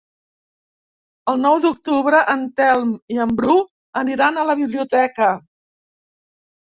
El nou d'octubre en Telm i en Bru aniran a la biblioteca.